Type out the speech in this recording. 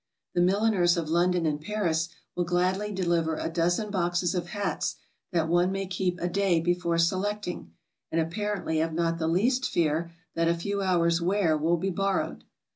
The milliners of London and Paris will gladly deliver a dozen boxes of hats that one may keep a day before selecting, and apparently have not the least fear that a few hours' wear will be borrowed.